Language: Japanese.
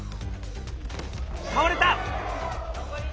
倒れた！